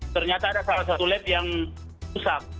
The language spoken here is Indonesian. ternyata ada satu lab yang susah